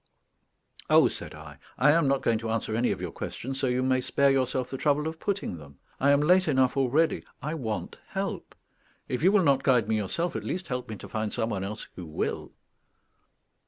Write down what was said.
"Oh," said I, "I am not going to answer any of your questions, so you may spare yourself the trouble of putting them. I am late enough already; I want help. If you will not guide me yourself, at least help me to find some one else who will."